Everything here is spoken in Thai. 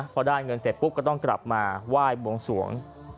พอได้เงินเสร็จปุ๊บก็ต้องกลับมาไหว้บวงสวง